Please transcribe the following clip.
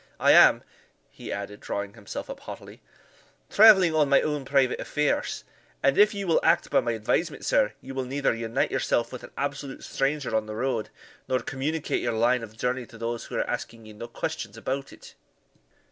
I am," he added, drawing himself up haughtily, "travelling on my own private affairs, and if ye will act by my advisement, sir, ye will neither unite yourself with an absolute stranger on the road, nor communicate your line of journey to those who are asking ye no questions about it."